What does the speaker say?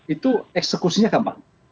itu eksekusinya gampang